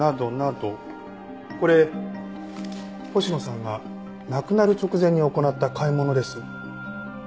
これ星野さんが亡くなる直前に行った買い物です。